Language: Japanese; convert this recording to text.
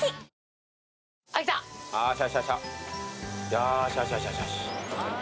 よしよしよし。